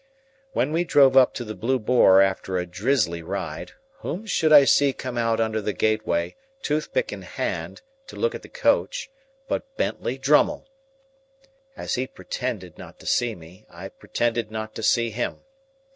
When we drove up to the Blue Boar after a drizzly ride, whom should I see come out under the gateway, toothpick in hand, to look at the coach, but Bentley Drummle! As he pretended not to see me, I pretended not to see him.